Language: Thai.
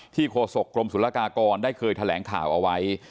โฆษกรมศุลกากรได้เคยแถลงข่าวเอาไว้